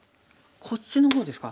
こっちの方ですか？